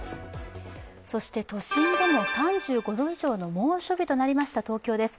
そして、都心でも３５度以上の猛暑日となりました東京です。